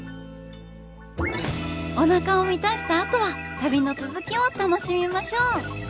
おなかを満たしたあとは旅の続きを楽しみましょう。